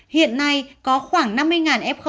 hiện nay có khoảng năm mươi f